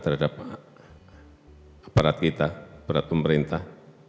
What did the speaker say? terhadap aparat kita berat pemerintah